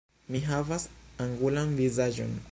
Mi havas angulan vizaĝon.